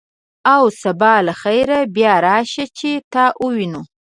او سبا له خیره بیا راشه، چې تا ووینو.